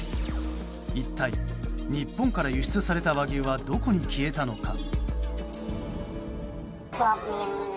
一体、日本から輸出された和牛はどこに消えたのか。